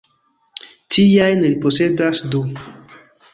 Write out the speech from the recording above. Tiajn li posedas du.